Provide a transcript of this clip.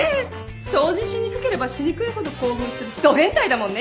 掃除しにくければしにくいほど興奮するど変態だもんね